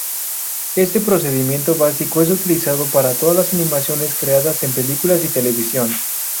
Este procedimiento básico es utilizado para todas las animaciones creadas en películas y televisión.